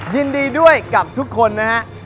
ยินดีด้วยกับทุกคนนะฮะ